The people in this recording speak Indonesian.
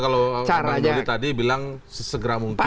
kalau anda tadi bilang sesegera mungkin